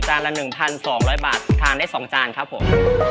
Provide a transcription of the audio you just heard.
ละ๑๒๐๐บาททานได้๒จานครับผม